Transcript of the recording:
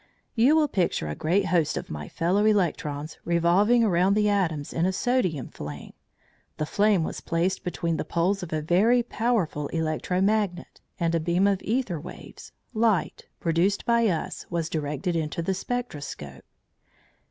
You will picture a great host of my fellow electrons revolving around the atoms in a sodium flame. The flame was placed between the poles of a very powerful electro magnet, and a beam of æther waves (light) produced by us was directed into the spectroscope.